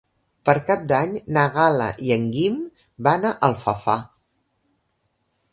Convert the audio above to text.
Per Cap d'Any na Gal·la i en Guim van a Alfafar.